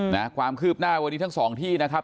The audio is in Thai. นะความคืบหน้าวันนี้ทั้งสองที่นะครับ